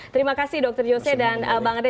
terima kasih dr yose dan bang arde